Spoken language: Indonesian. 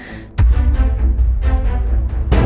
aku mau di penjara lagi